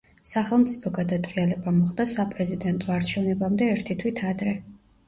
სახელმწიფო გადატრიალება მოხდა საპრეზიდენტო არჩევნებამდე ერთი თვით ადრე.